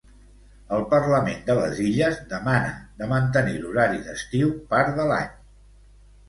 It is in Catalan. El Parlament de les Illes demana de mantenir l'horari d'estiu part de l'any.